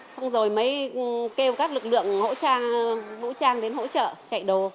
xong rồi mấy kêu các lực lượng bộ trang đến hỗ trợ chạy đồ